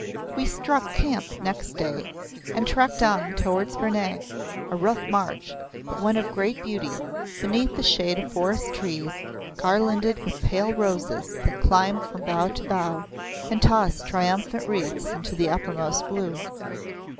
We struck camp next day and trekked on towards Vernag a rough march, but one of great beauty, beneath the shade of forest trees, garlanded with pale roses that climbed from bough to bough and tossed triumphant wreaths into the uppermost blue.